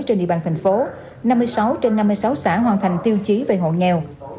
trên địa bàn thành phố năm mươi sáu trên năm mươi sáu xã hoàn thành tiêu chí về hộ nghèo